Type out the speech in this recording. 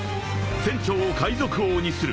［船長を海賊王にする］